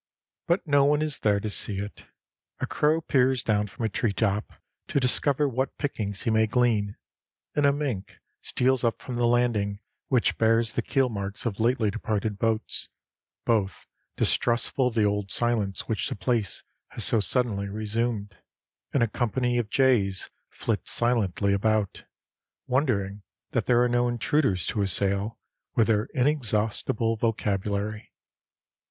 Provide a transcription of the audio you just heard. But no one is there to see it. A crow peers down from a treetop to discover what pickings he may glean, and a mink steals up from the landing, which bears the keelmarks of lately departed boats, both distrustful of the old silence which the place has so suddenly resumed; and a company of jays flit silently about, wondering that there are no intruders to assail with their inexhaustible vocabulary.